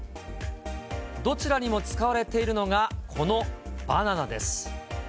どちらにも使われているのが、このバナナです。